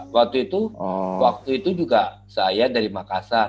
waktu itu waktu itu juga saya dari makassar